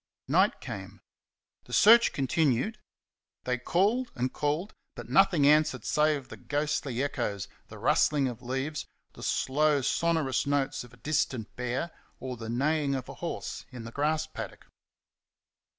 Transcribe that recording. Night came. The search continued. They called, and called, but nothing answered save the ghostly echoes, the rustling of leaves, the slow, sonorous notes of a distant bear, or the neighing of a horse in the grass paddock.